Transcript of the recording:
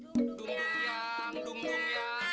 duk duk yang duk duk yang